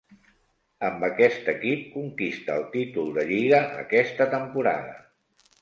Amb aquest equip conquista el títol de Lliga aquesta temporada.